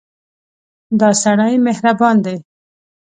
دا سړی مهربان دی.